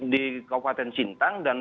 di kabupaten sintang dan